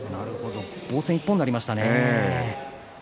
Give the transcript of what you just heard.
防戦一方になりましたね。